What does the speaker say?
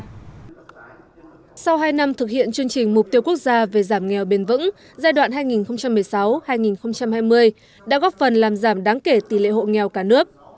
sau hai năm thực hiện chương trình mục tiêu quốc gia về giảm nghèo bền vững giai đoạn hai nghìn một mươi sáu hai nghìn hai mươi đã góp phần làm giảm đáng kể tỷ lệ hộ nghèo cả nước